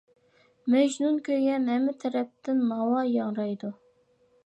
مەجنۇن كۆيگەن ھەممە تەرەپتىن ناۋا ياڭرايدۇ.